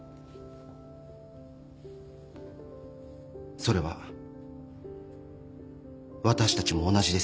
それは私たちも同じです。